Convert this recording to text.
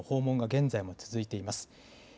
現在も続いています。